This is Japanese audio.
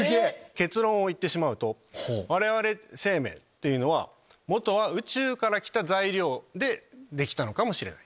結論を言ってしまうと我々生命というのはもとは宇宙からきた材料でできたのかもしれない。